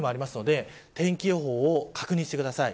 天気予報を確認してください。